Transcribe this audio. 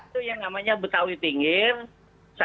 itu yang namanya betawi tinggi satu betawi kota